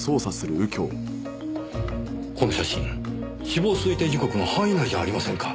この写真死亡推定時刻の範囲内じゃありませんか。